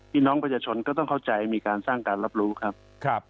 พี่น้องประชาชนก็ต้องเข้าใจมีการสร้างการรับรู้ครับ